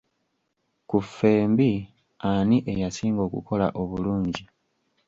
Ku ffembi ani eyasinga okukola obulungi?